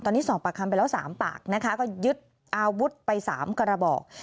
ตอนนี้สอบปากคำไปแล้ว๓ปากนะคะก็ยึดอาวุธไป๓กระบอก